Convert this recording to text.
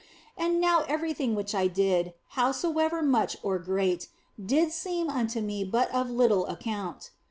And now everything which I did, howso ever much or great, did seem unto me but of little ac count.